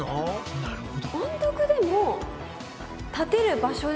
なるほど！